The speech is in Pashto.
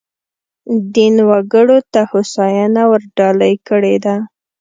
دین وګړو ته هوساینه ورډالۍ کړې ده.